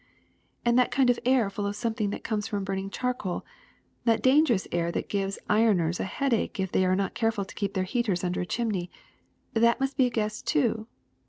''^* And that kind of air full of something that comes from burning charcoal, that dangerous air that gives ironers a headache if they are not careful to keep their heaters under a chimney — that must be a gas too